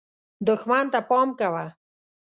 دښمن ته پام کوه .